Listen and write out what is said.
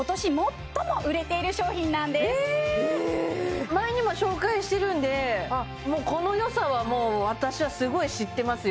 こちら前にも紹介してるんでもうこの良さは私はすごい知ってますよ